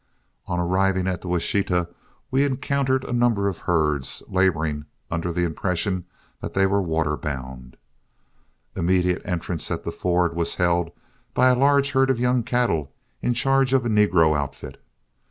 On arriving at the Washita, we encountered a number of herds, laboring under the impression that they were water bound. Immediate entrance at the ford was held by a large herd of young cattle in charge of a negro outfit.